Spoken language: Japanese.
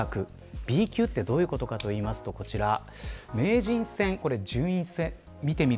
Ｂ級って、どういうことかといいますと、こちらです。